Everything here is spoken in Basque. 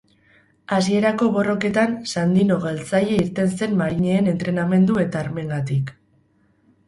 Hasierako borroketan Sandino galtzaile irten zen marineen entrenamendu eta armengatik.